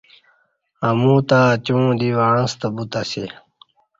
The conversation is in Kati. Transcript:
امو تہ اتیوعں دی وعݩستہ بوتاسی